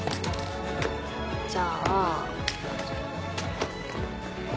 じゃあ。